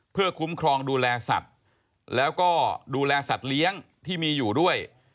เพื่อคุ้มครองดูแลสัตว์แล้วก็ดูแลสัตว์เลี้ยงที่มีอยู่ด้วย